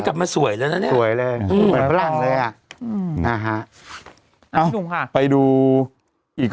ถ้ามาสวยจะดูอีก